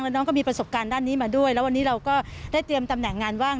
แล้วน้องก็มีประสบการณ์ด้านนี้มาด้วยแล้ววันนี้เราก็ได้เตรียมตำแหน่งงานว่าง